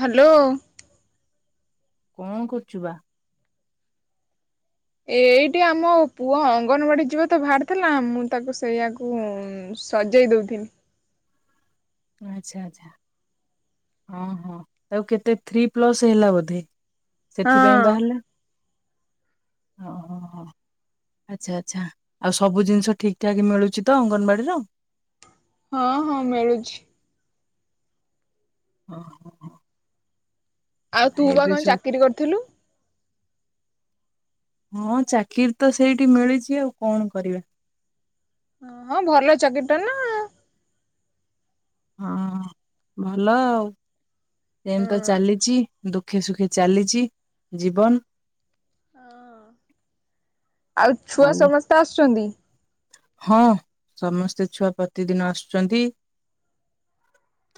Hello. କଣ କରୁଛୁ ବା? ଏ ଏଇଠି ଆମ ପୁଅ ଅଙ୍ଗନବାଡି ଯିବ ତ ବାହାରି ଥିଲା ମୁଁ ତାକୁ ସେଇଆକୁ ସଜେଇ ଦଉଥିଲି। ଆଛା ଆଚ୍ଛା ହଁ ହଁ ଆଉ କେତେ ଥ୍ରୀ ପ୍ଲସ୍ ହେଲା ବୋଧେ? ହଁ ସେଥିପାଇଁ ବାହାରିଲା ଓ। ଆଚ୍ଛା ଆଚ୍ଛା ଆଉ ସବୁ ଜିନିଷ ଠିକ ଠାକ ମିଳୁଛି ତ ଅଙ୍ଗନବାଡିରୁ? ହଁ ହଁ ମିଳୁଛି। ଓ ହୋ। ଆଉ ତୁ ବା କଣ ସବୁ ତ- ଚାକିରି କରିଥିଲୁ? ହଁ ଚାକିରି ତ ସେଇଠି ମିଳିଛି ଆଉ କଣ କରିବା। ଓ ହଁ ଭଲ ଚାକିରି ଟା ନା? ହଁ ଭଲ ଆଉ। ସେମ ତ ଚାଲିଛି ଦୁଃଖେ ସୁଖେ ଚାଲିଛି ଜୀବନ। ଆଉ ଛୁଆ ସମସ୍ତେ ଆସୁଛନ୍ତି? ହଁ ସମସ୍ତେ ଛୁଆ ପ୍ରତିଦିନ ଆସୁଛନ୍ତି।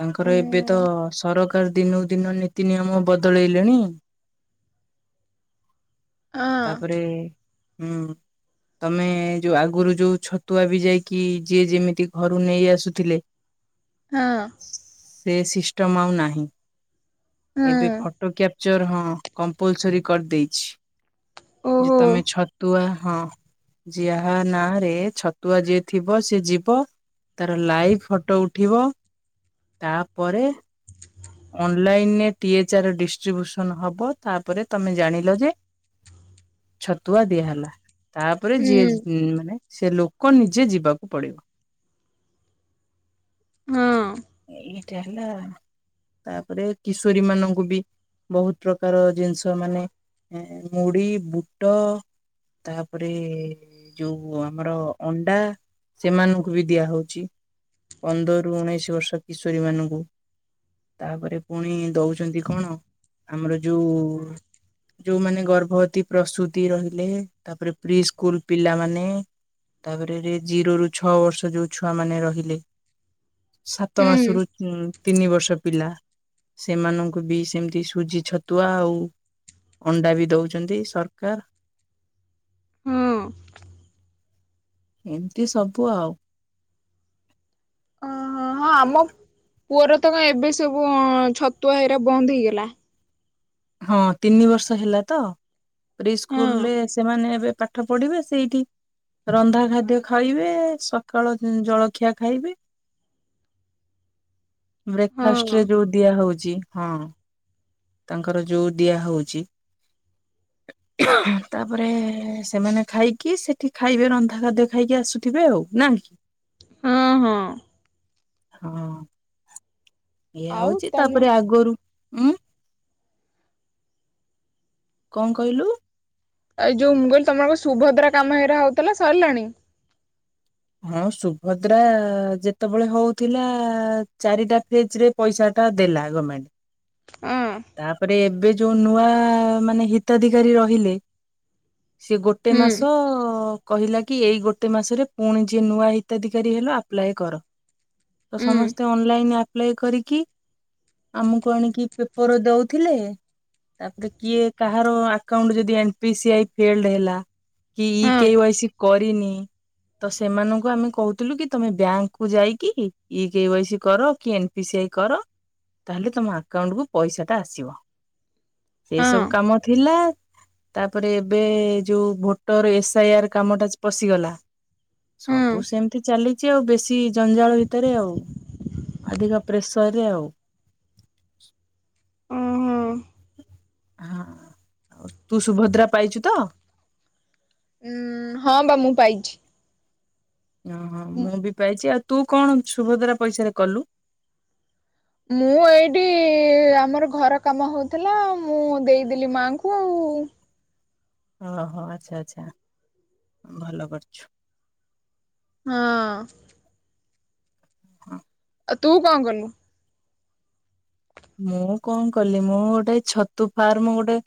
ତାଙ୍କର ହଁ ଏବେ ତ ସରକାର ଦିନକୁ ଦିନ ନୀତି ନିୟମ ବଦଳେଇଲେଣି। ତାପରେ ହୁଁ ତମେ ଯୋଉ ଆଗରୁ ଯୋଉ ଛତୁଆ ବି ଯାଇକି ଯିଏ ଯେମିତି ଘରୁ ନେଇ ଆସୁଥିଲେ। ହଁ। ସେ ସିଷ୍ଟମ ଆଉ ନାହିଁ ଏବେ ହଁ ଫଟୋ କ୍ୟାପ ଚର ହଁ କମ୍ପଲସରି କରିଦେଇଛି। ଯେ ଓହୋ ତମେ ଛତୁଆ ହଁ ଯାହା ନାଁ ରେ ଛତୁଆ ଯିଏ ଥିବ ସିଏ ଯିବ ତାର ଲାଇଭ ଫଟୋ ଉଠିବ ତାପରେ ଅନଲାଇର ଟିଏଚାର ଡିଷ୍ଟ୍ରିବୁସନ ହବ ତାପରେ ତମେ ଜାଣିଲ ଯେ ଛତୁଆ ଦିଆହେଲା ତାପରେ ହୁଁ ଯିଏ ମାନେ ସେ ଲୋକ ନିଜେ ଯିବାକୁ ପଡିବ। ହଁ ଏଇଟା ହେଲା ତାପରେ କିଶୋରୀ ମାନଙ୍କୁ ବି ବହୁତ ପ୍ରକାର ଜିନିଷ ମାନେ ମୁଢ଼ି ବୁଟ ତାପରେ ଯୋଉ ଆମର ଅଣ୍ଡା ସେମାନଙ୍କୁ ବି ଦିଆ ହଉଛି ପନ୍ଦରରୁୁ ଉଣେଇଶି ବର୍ଷ କିଶୋରୀ ମାନଙ୍କୁ ତାପରେ ପୁଣି ଦଉଛନ୍ତି କଣ? ଆମର ଯୋଉ ଯୋଉମାନେ ଗର୍ଭବତୀ ପ୍ରସୁତି ରହିଲେ ତାପରେ ପ୍ରି ସ୍କୁଲ ପିଲାମାନେ ତାପରେ ଜିରୋ ରୁ ଛଅ ବର୍ଷ ଯୋଉ ଛୁଆ ମାନେ ରହିଲେ ସପ୍ତ ହୁଁ ମାସରୁ ତିନି ବର୍ଷ ପିଲା ସେମାନଙ୍କୁ ବି ସେମିତି ସୁଜି ଛତୁଆ ଆଉ ଅଣ୍ଡା ବି ଦଉଛନ୍ତି ସରକାର। ହୁଁ। ଏମିତି ସବୁ ଆଉ। ଓହୋ ହଁ ଆମ ପୁଅର ତ କଣ ଏବେ ସବୁ ଅ ଛତୁଆ ହେଇରା ବନ୍ଦ ହେଇଗଲା। ହଁ ତିନି ବର୍ଷ ହେଲା ତ ପ୍ରି ହଁ ସ୍କୁଲ ରେ ସେମାନେ ଏବେ ପାଠ ପାଠ ପଢିବେ ସେଇଠି ରନ୍ଧା ଖାଦ୍ୟ ଖାଇବେ ସକାଳ ଜଳଖିଆ ଖାଇବେ। ବ୍ରେକ୍ଫାଷ୍ଟ ହଁ। ରେ ଯୋଉ ଦିଆ ହଉଛି, ହଁ। ତାଙ୍କର ଯୋଉ ଦିଆ ହଉଛି ତାପରେ ସେମାନେ ଖାଇକି ସେଠି ଖାଇବେ ରନ୍ଧା ଖାଦ୍ୟ ଖାଇକି ଆସୁଥିବେ ନାଁ କି? ହଁ ହଁ। ହଁ। ଏଇଆ ଆଉ ହୋଉଛି ତମ ତାପରେ ଆଗରୁ ଉୁଁ କଣ କହିଲୁ? ଏଇ ଯୋଉ ମୁଁ କହିଲି ତମର ବା ସୁଭଦ୍ରା କାମ ହେଇରା ହୋଉଥିଲା ସରିଲାଣି? ହଁ ସୁଭଦ୍ରା ଯେତେବେଳେ ହୋଉଥିଲା ଚାରିଟା ଫେଜ୍ ରେ ପଇସା ଟା ଦେଲା ଗମେଣ୍ଟ। ହଁ। ତାପରେ ଏବେ ଯୋଉ ନୂଆ ମାନେ ହିତାଧିକାରୀ ରହିଲେ ସେ ଗୋଟେ ହୁଁ ମାସ କହିଲା କି, ଏଇ ଗୋଟେ ମାସରେ ପୁଣି ଯିଏ ନୂଆ ହିତାଧିକାରୀ ହେଲ ଆପ୍ଲାଏ କର। ତ ହୁଁ ସମସ୍ତେ ଅନଲାଇନ ଆପ୍ଲାଏ କରିକି ଆମକୁ ଆଣିକି ପେପ୍ ର ଦଉଥିଲେ ତାପରେ କିଏ କାହାର ଆକାଉଣ୍ଟ ଯଦି N P C I failed ହେଲା କି ହଁ କେୱାଇସି କରିନି ତ ସେମାନଙ୍କୁ ଆମେ କହୁଥିଲୁ କି ତମେ ବ୍ୟାଙ୍କକୁ ଯାଇକି ଇକେୱାସି କର କି ପି ସି ଆଇ କର ତାହେଲେ ତମ ଆକାଉଣ୍ଟକୁୁ ପଇସା ଟା ଆସିବ। ସେ ହଁ ସବୁ କାମ ଥିଲା ତାପରେ ଏବେ ଯୋଉ ଭୋଟର ଏସ୍ ଆଇ ଆର କାମଟା ଜ ପଶିଗଲା। ହଁ ସବୁ ସେମିତି ଚାଲିଛି ଆଉ ବେଶୀ ଜଞ୍ଜାଳ ଭିତରେ ଆଉ ଅଧିକା ପ୍ରେସରରେ ଆଉ। ଅଁ ହଁ। ହଁ ଆଉ ତୁ ସୁଭଦ୍ରା ପାଇଛୁ ତ? ଉଁ ହଁ ବା ମୁଁ ପାଇଛି। ଅଁ ହଁ ମୁଁ ବି ପାଇଛି ଆଉ ତୁ କଣ ସୁଭଦ୍ରା ପଇସାରେ କଲୁ? ମୁଁ ଏଇଟି ଆମର ଘର କାମ ହଉଥିଲା ମୁଁ ଦେଇଦେଲି ମାଆଙ୍କୁ ଆଉ ଓହୋ ଆଚ୍ଛା ଆଚ୍ଛା ଭଲ କରିଛୁ। ହଁ। ହଁ। ଆଉ ତୁ କଁ କଲୁ? ମୁଁ କଣ କଲି? ମୁଁ ଗୋଟେ ଛତୁ ଫାର୍ମ ଗୋଟେ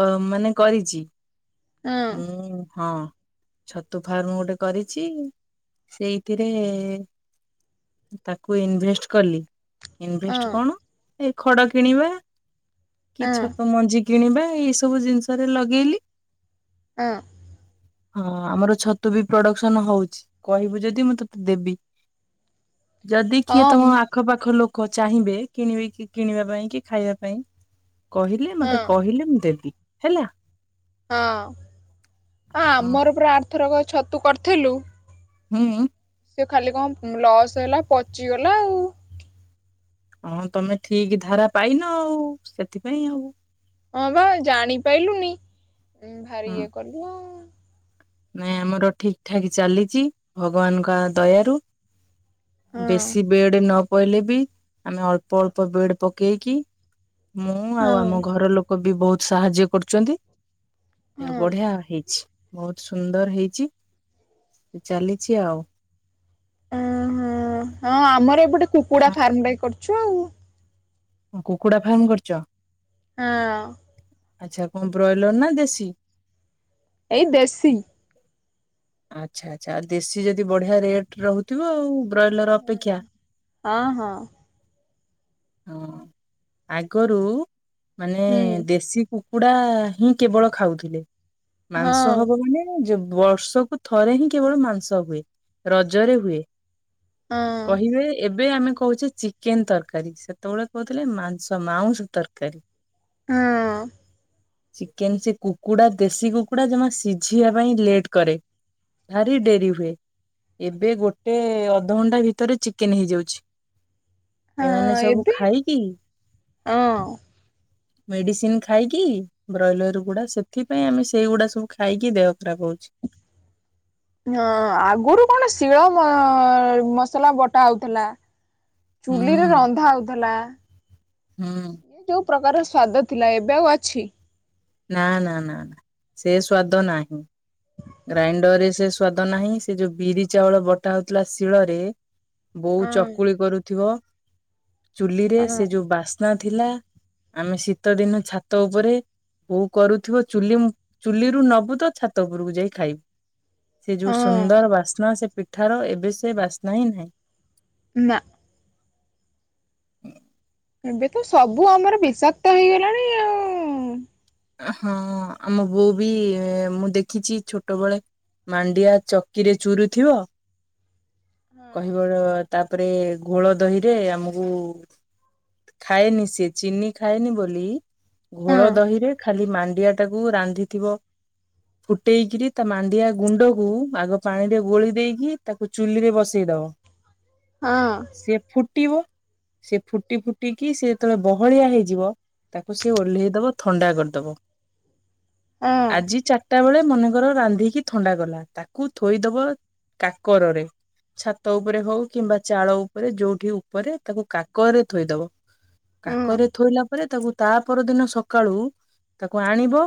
କ ମାନେ କରିଛି। ହଁ ମୁଁ ହଁ। ଛତୁ ଫାର୍ମ ଗୋଟେ କରିଛି। ସେଇଥିରେ ତାକୁ ଇନ୍ଭେଷ୍ଟ କଲି। ହଁ ଇନଭେଷ୍ଟ କଣ? ଏ ଖଡ଼ କିଣିବା କି ହଁ ଛତୁ ମଞ୍ଜି କିଣିବା ଏଇସବୁ ଜିନିଷରେ ଲଗେଇଲି। ଅଁ। ହଁ ଆମର ଛତୁ ବି ପ୍ରଡ଼କ୍ସନ ହୋଉଛି। କହିବୁ ଯଦି, ମୁଁ ତତେ ଦେବି। ଯଦି କିଏ ହଁ ତମ ଆଖପାଖ ଲୋକ ଚାହିଁବେ କିଣିବେ କି କିଣିବା ପାଇଁ କି ଖାଇବା ପାଇଁ କହିଲେ ହଁ ମତେ କହିଲେ ମୁଁ ଦେବି ହେଲା। ହଁ ଆ ହଁ ଆମର ପରା ଆର୍ ଥରକ ଛତୁ କରିଥିଲୁ ହୁଁ। ସେ ଖାଲି କଁ ଲସ୍ ହେଲା ପଚିଗଲା ଆଉ। ହଁ ତମେ ଠିକ୍ ଧାରା ପାଇନ ଆଉ ସେଥିପାଇଁ ଆଉ। ହଁ ବା ଜାଣିପାଇଲୁନି ଭାରି ହଁ ଇଏ କଲୁ ଆଉ। ନାଇଁ ଆମର ଠିକ୍ ଠାକ୍ ଚାଲିଛି ଭଗବାନଙ୍କ ଆ ଦୟାରୁ। ହଁ ବେଶୀ ବେଡ଼୍ ନ ଇଲେ ବି ଆମେ ଅଳ୍ପ ଅଳ୍ପ ବେଡ୍ ପକେଇକି ମୁଁ ଆଉ ହଁ ଆମ ଘର ଲୋକ କୋ ବି ବହୁତ ସାହାଯ୍ୟ କରୁଛନ୍ତି। ହଁ ବଢିଆ ହେଇଛି। ବହୁତ ସୁନ୍ଦର ହେଇଛି ଚାଲିଛି ଆଉ। ଓହୋ ହଁ ଆମର ଏ ପଟେ କୁକୁଡା ଫାର୍ମ ଟା କରୁଛୁ ଆଉ। କୁକୁଡ଼ା ଫାର୍ମ କରୁଛ? ହଁ। ଆଚ୍ଛା କଣ ବ୍ରଏଲର ନା ଦେଶୀ? ଏଇ ଦେଶୀ। ଆଚ୍ଛା ଆଛା ଆଉ ଦେଶୀ ଯଦି ବଢିଆ ରେଟ ରହୁଥିବ ଆଉ। ବ୍ରଏଲର ଅପେକ୍ଷା ହଁ ହଁ ହଁ ଆଗରୁ ମାନେ ହୁଁ ଦେଶୀ କୁକୁଡା ହିଁ କେବଳ ଖାଉଥିଲେ ହଁ ମାଂସ ହବ ମାନେ ବର୍ଷକୁ ଥରେ ହିଁ କେବଳ ମାଂସ ହୁଏ ରଜରେ ହୁଏ। ହଁ କହିବେ ଏବେ ଆମେ କହୁଛେ ଚିକେନ ତରକାରୀ ସେତେବେଳେ କହୁଥିଲେ ମାଂସ ମାଉଁସ ତରକାରୀ। ହୁଁ। ଚିକେନ ସେ କୁକୁଡ଼ା ଦେଶୀ କୁକୁଡ଼ା ଜମା ସିଝିବା ପାଇଁ ଲେଟ୍ କରେ। ଭାରି ଡେରି ହୁଏ। ଏବେ ଗୋଟେ ଅଧଘଣ୍ଟା ଭିତରେ ଚିକେନ ହେଇଯାଉଛି। ଏମାନେ ହଁ ସବୁ ଏବେ ଖାଇକି ହଁ ମେଡିସିନ ଖାଇକି ବ୍ରଏଲର ଗୁଡା ସେଥିପାଇଁ ଆମେ ସେଇଗୁଡା ସବୁ ଖାଇକି ଦେହ ଖରାପ ହଉଛି। ହଁ ଆଗରୁ କଣ ଶିଳ ମସଲା ବଟା ହଉଥିଲା। ଚୁଲିରେ ହୁଁ ରନ୍ଧା ହଉଥିଲା। ହୁଁ। ଏ ଯୋଉ ପ୍ରକାର ସ୍ଵାଦ ଥିଲା ଏବେ ଆଉ ଅଛି। ନା ନା ନା ନା ସେ ସ୍ଵାଦ ନାହିଁ। ଗ୍ରାଇଣ୍ଡର ରେ ସେ ସ୍ଵାଦ ନାହିଁ ସେ ଯୋଉ ବିରି ଚାଉଳ ବଟା ହଉଥିଲା ଶିଳରେ ବୋଉ ହଁ ଚକୁଳି କରୁଥିବ ଚୁଲିରେ ହଁ ସେ ଯୋଉ ବାସ୍ ନା ଥିଲା ଆମେ ଶୀତ ଦିନ ଛାତ ଉପରେ ବୋଉ କରୁଥିବ ଚୁଲି ଚୁଲିରୁୁ ନବୁ ତ ଛାତ ଉପରକୁ ଯାଇ ଖାଇବୁ। ସେ ହଁ ଯୋଉ ସୁନ୍ଦର ବାସ୍ନା ସେ ପିଠାର ଏବେ ସେ ବାସ୍ନା ହିଁ ନାହିଁ। ନା। ଏବେ ତ ସବୁ ଆମର ବିଷାକ୍ତ ହେଇଗଲାଣି ଆଉ। ହଁ ଆମ ବୋଉ ବି ମୁଁ ଦେଖିଛି ଛୋଟବେଳେ ମାଣ୍ଡିଆ ଚକିରେ ଚୁରୁ ଥିବ। କହିବ ତାପରେ ଘୋଳ ଦହିରେ ଆମକୁ ଖାଏନି ସେ ଚିନି ଖାଏନି ବୋଲି ଘୋଳ ହଁ ଦହି ରେ ଖାଲି ମାଣ୍ଡିଆ ଟାକୁ ରାନ୍ଧିଥିବ। ଫୁଟେଇକରି ତା ମାଣ୍ଡିଆ ଗୁଣ୍ଡକୁ ଆଗ ପାଣିରେ ଗୋଳି ଦେଇକି ତାକୁ ଚୁଲିରେ ବସ। ଦେଇଦବ। ହଁ। ସି ଫୁଟିବ ସେି ଫୁଟି ଫୁଟିକି ସେି ଯେତେବେଳେ ବହଳିଆ ହେଇଯିବ। ତାକୁ ସିଏ ଓହ୍ଲେଇ ଦବ ଥଣ୍ଡା କରିଦବ ହଁ ଆଜି ଚା ଟା ବେଳେ ମନେକର ରାନ୍ଧିକି ଥଣ୍ଡା କଲା ତାକୁ ଥୋଇଦବ କାକରରେ ଛାତ ଉପରେ ହଉ କିମ୍ବା ଚାଳ ଉପରେ ଯୋଉଠି ଉପରେ ତାକୁ କାକରେ ଥୋଇଦବ। କାକରେ ହଁ ଥୋଇଲା ପରେ ତାକୁ ତା ପର ଦିନ ସକାଳୁ ତାକୁ ଆଣିବ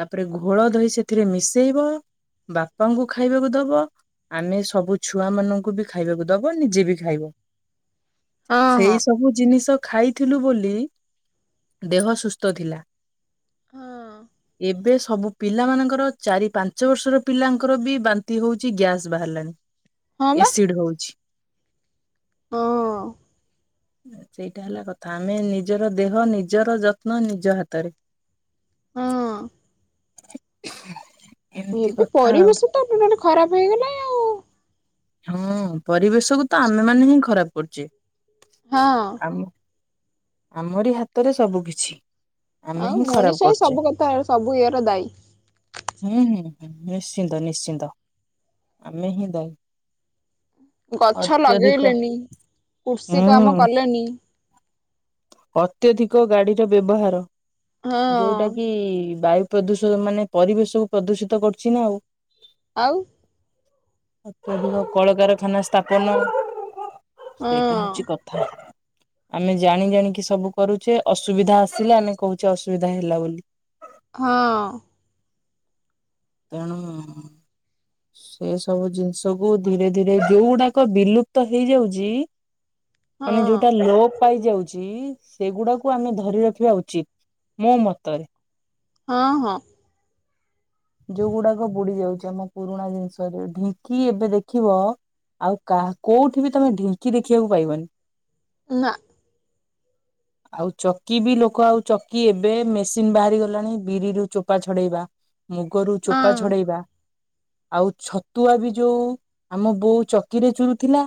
ତାପରେ ଘୋଳ ଧହି ସେଥିରେ ମିଶେଇବ ବାପାଙ୍କୁ ଖାଇବାକୁ ଦବ ଆମେ ସବୁ ଛୁଆ ମାନଙ୍କୁ ବି ଖାଇବାକୁ ଦବ ନିଜେ ବି ଖାଇବ ସେଇ ହଁ ସବୁ ଜିନିଷ ଖାଇଥିଲୁ ବୋଲି ଦେହ ସୁସ୍ଥ ଥିଲା। ହଁ। ଏବେ ସବୁ ପିଲାମାନଙ୍କର ଚାରି, ପାଞ୍ଚ ବର୍ଷର ପିଲାଙ୍କର ବି ବାନ୍ତି ହଉଛି ଗ୍ୟାସ୍ ବାହାରିଲାଣି। ହଁ ବା ଏସିଡ ହଉଛି। ହଁ। ହୁଁ। ସେଇଟା ହେଲା କଥା ଆମେ ନିଜର ଦେହ ନିଜର ଯତ୍ନ ନିଜ ହାତରେ। ହଁ। ଏମିତି ଏବେ କଥା ଆଉ ପରିବେଶ ତ ମାନେ ଖରାପ ହେଇଗଲା। ଆଉ। ହଁ ପରିବେଶକୁ ତ ଆମେ ମାନେ ହିଁ ଖରାପ କରୁଛେ। ହଁ। ଆମୁ ଆମରି ହାତରେ ସବୁ କିିଛି। ଆଉ ମଣିଷ ହିଁ ସବୁ କଥା ସବୁ ଇଏ ର ଦାୟୀ। ହୁଁ ହୁଁ ହୁଁ ନିଶ୍ଚିନ୍ତ ନିଶ୍ଚିନ୍ତ ଆମେ ହିଁ ଦାୟୀ। ଗଛ ଅତ୍ୟଧିକ ଲଗେଇଲେନି, କୃଷି କାମ ହୁଁ କଲେନି। ଅତ୍ୟଧିକ ଗାଡିର ବ୍ୟବହାର ଯୋଉଟା ହଁ କି ବାୟୁ ପ୍ରଦୂଷ ମାନେ ପରିବେଶକୁ ପ୍ରଦୂଷିତ କରୁଛିନା ଆଉ। ଆଉ ଅତ୍ୟଧିକ କଳକାରଖାନା ସ୍ଥାପନ ହଁ ସେଇଟା ହଉଛି କଥା ଆମେ ଜାଣି ଜାଣିକି ସବୁ କରୁଛେ ଅସୁବିଧା ଆସିଲେ ଆମେ କହୁଛେ ଅସୁବିଧା ହେଲା ବୋଲି। ହଁ। [unintelligible] ସେ ସବୁ ଜିନିଷ କୁ ଧୀରେ ଧୀରେ ଯୋଉ ଗୁଡାକ ବିଲୁପ୍ତ ହେଇଯାଉଛି ହଁ ମାନେ ଯୋଉଟା ଲୋପ ପାଇଯାଉଛି ଚି ସେଗୁଡାକୁ ଆମେ ଧରି ରଖିବା ଉଚିତ ମୋ ମତରେ। ହଁ ହଁ। ଯୋଉଗୁଡାକ ବୁଡି ଯାଉଛି ଆମ ପୁରୁଣା ଜିନିଷରେ ଢିଙ୍କି ଏବେ ଦେଖିବ ଆଉ କାହା କୋଉଠି ବି ତମେ ଢିଙ୍କି ଦେଖିବାକୁ ପାଇବନି। ନା। ଆଉ ଚକି ବି ଲୋକ ଆଉ ଚକି ଏବେ ମେସିନ ବାହାରି ଗଲାଣି ବିରିରୁ ଚୋପା ଛଡେଇବା। ଗୋରୁ ଚୋପା ହଁ ଛଡ଼େଇବା। ଆଉ ଛତୁଆ ବି ଯୋଉ ଆମ ବୋଉ ଚକିରେ ଚୁରୁଥିଲା।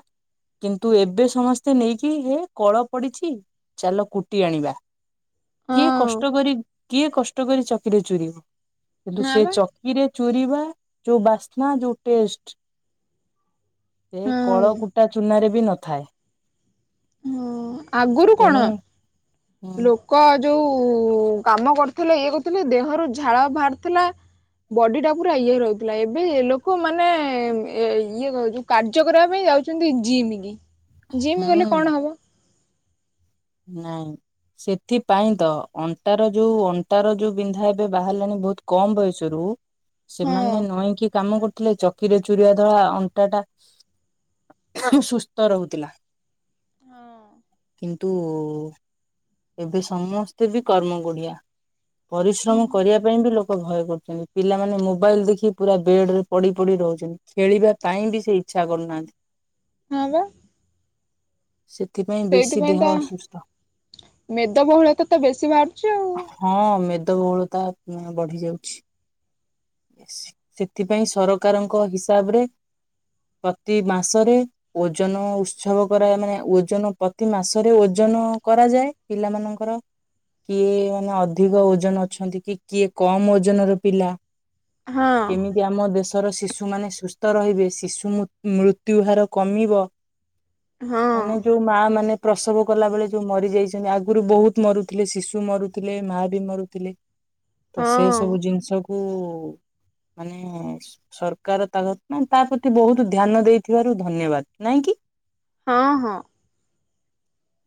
କିନ୍ତୁ ଏବେ ସମସ୍ତେ ନେଇକି ହେ କଳ ପଡିଛି। ଚାଲ କୁଟି ଆଣିବା। କିଏ ହଁ କଷ୍ଟ କରି କିଏ କଷ୍ଟ କରି ଚକିରେ ଚୁରିବ କିନ୍ତୁ ନା ସେ ବା ଚକି ରେ ଚୁରିବା ଯୋଉ ବାସ୍ନା ଯୋଉ ଟେଷ୍ଟ। ସେ କଳ ହଁ। କୂଟା ଚୂନାରେ ବି ନଥାଏ। ହଁ ଆଗରୁ କଣ ତେଣୁ ଲୋ କ ଯୋଉ କାମ କରୁଥିଲା ଇଏ କରୁଥିଲେ ଦେହରୁ ଝାଳ ବାହାରିଥିଲା। ବଡି ଟା ପୁରା ଇଏ ରହୁଥିଲା ଏବେ ଲୋକ ମାନେ ଏ ଇଏ କ ଯୋଉ କାର୍ଯ୍ୟ କରିବା ପାଇଁ ଯାଉଛନ୍ତି ଜିମି କି ଜିମି ଗଲେ ହୁଁ କଣ ହବ? ନାଇଁ। ସେଥିପାଇଁ ତ ଅଣ୍ଟାର ଯୋଉ ଅଣ୍ଟାର ଯୋଉ ବିନ୍ଧା ଏବେ ବାହାରିଲାଣି ବହୁତ କମ ବୟସରୁ ହଁ। ସେମାନେ ନଇଁ କି କାମ କରୁ ଥିଲେ ଚକିରେ ଚୁରିିବା ଦ୍ଵାରା ଅଣ୍ଟା ଟା ସୁସ୍ଥ ରହୁଥିଲା। ହଁ। ତୁ ଏବେ ସମସ୍ତେ ବି କର୍ମ କୋଢିଆ। ପରିଶ୍ରମ କରିବା ପାଇଁ ବି ଲୋକ ଭୟ କରୁଛନ୍ତି ପିଲାମାନେ ମୋବାଇଲ ଦେଖି ପୁରା ବେଡରେ ପଡ଼ି ପଡ଼ିି ରହୁଛନ୍ତି ଖେଳିବା ପାଇଁ ବି ସେ ଇଚ୍ଛା କରୁନାହାନ୍ତି। ହଁ ପା। ସେଥିପାଇଁ ବେଶୀ ଦେହ ଅସୁସ୍ଥ। ମେଦବହୁଳା ତା ତ ବେଶୀ ବାହାରୁଛି ଆଉ। ହଁ ମେଦବହୁଳତା ଉଁ ବଢି ଯାଉଛି। ବେସି ସେଥିପାଇଁ ସରକାରଙ୍କ ହିସାବରେ ପ୍ରତି ମାସରେ ଓଜନ ଉତ୍ସବ କରା ମାନେ ଓଜନ ପ୍ରତି ମାସରେ ଓଜନ କରାଯାଏ। ପିଲାମାନଙ୍କର। କିଏ ମାନେ ଅଧିକ ଓଜନ ଅଛନ୍ତି କି କିଏ କମ ଓଜନ ର ପିଲା। ହଁ। ଯେ ଆମ ଦେଶର ଶିଶୁମାନେ ସୁସ୍ଥ ରହିବେ ଶିଶୁ ମୁ ମୃତ୍ୟୁ ହାର କମିବ। ହଁ ମାନେ ଯୋଉ ମା ମାନେ ପ୍ରସବ କଲା ବଳେ ଯୋଉ ମରି ଯାଇଛନ୍ତି ଆଗରୁ ବହୁତ ମରୁଥିଲେ ଶିଶୁ ମରୁଥିଲେ ମା ବି ମରୁଥିଲେ। ତ ହଁ ସେ ସବୁ ଜିନିଷ କୁ ମାନେ ସ ସରକାର ତା ନା ପ୍ରତି ବହୁତୁ ଧ୍ୟାନ ଦେଇଥିବାରୁ ଧନ୍ୟବାଦ ନାଇଁ କି? ହଁ ହଁ।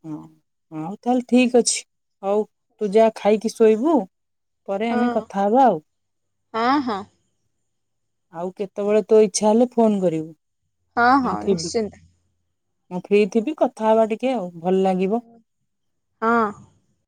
ହଁ ହଉ ତାହେଲେ ଠିକ ଅଛି ହଉ ତୁ ଯା ଖାଇକି ସ ଶୋଇବୁ ହଁ ପରେ ହଁ ଆମେ କଥା ହେବା ଆଉ। ହଁ ହଁ। ଆଉ କେତେବେଳେ ତୋ ଇଛା ହେଲେ ଫୋନ କରିବୁ ହଁ ହଁ ମୁଁ ଥିବି। ନିଶ୍ଚିନ୍ତ ମୁଁ ଫି ଥିବି କଥା ହବା ଟିକେ ଆଉ ଭଲ ଲାଗିବ। ହଁ।